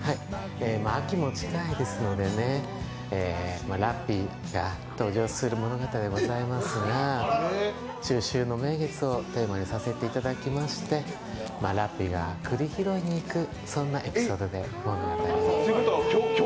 秋も近いですのでね、ラッピーが登場する物語でございますが中秋の名月をテーマにさせていただきましてラッピーが栗拾いに行く、そんなエピソードで物語を。